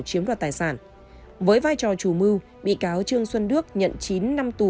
chiếm đoạt tài sản với vai trò chủ mưu bị cáo trương xuân đức nhận chín năm tù